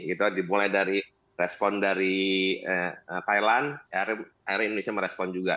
itu dimulai dari respon dari thailand akhirnya indonesia merespon juga